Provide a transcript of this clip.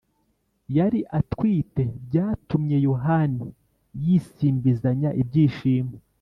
yari atwite, byatumye “yohani yisimbizanya ibyishimo